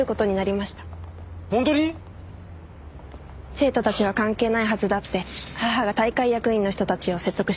生徒たちは関係ないはずだって母が大会役員の人たちを説得してくれて。